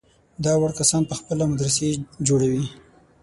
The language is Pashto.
دا وړ کسان په خپله مدرسې جوړوي.